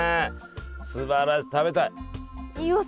すばらしい食べたい！